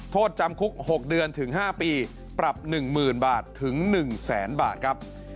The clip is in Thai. โทษจำคุก๖เดือนถึง๕ปีปรับ๑๐๐๐บาทถึง๑แสนบาทครับ